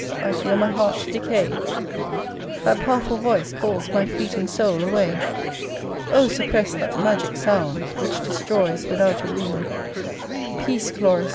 I feel my heart decay That powerful voice Calls my fleeting soul away: Oh! suppress that magic sound, Which destroys without a wound. Peace, Chloris!